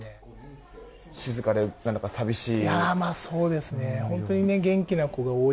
静かで何だか寂しい。